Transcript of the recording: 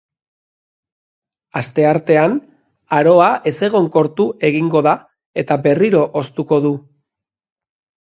Asteartean, aroa ezegonkortu egingo da eta berriro hoztuko du.